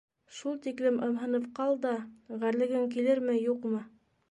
Шул тиклем ымһынып ҡал да, ғәрлегең килерме, юҡмы?